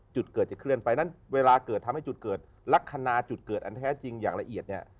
จุดเกิดจะเคลื่อนไปนั้นเวลาเกิดทำให้จุดเกิดลักษณะจุดเกิดอันแท้จริงอย่างละเอียดเนี่ย